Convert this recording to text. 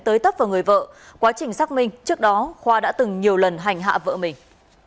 tới tấp vào người vợ quá trình xác minh trước đó khoa đã từng nhiều lần hành hạ vợ mình